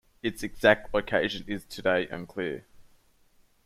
Its exact location is today unclear.